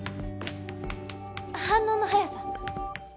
反応の早さ。